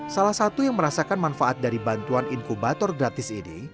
salah satu yang merasakan manfaat dari bantuan inkubator gratis ini